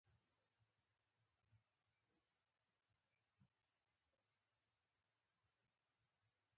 په پای کې ستړې په تيږه کېناسته.